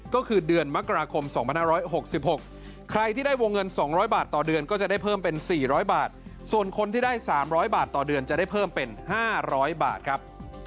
ก็คือเดือนมกราคม๒๕๖๖ใครที่ได้วงเงิน๒๐๐บาทต่อเดือนก็จะได้เพิ่มเป็น๔๐๐บาทส่วนคนที่ได้๓๐๐บาทต่อเดือนจะได้เพิ่มเป็น๕๐๐บาทครับ